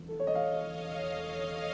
aku sudah selesai